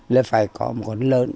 là phải có một con lớn